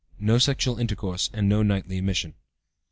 No sexual intercourse, and no nightly emission.)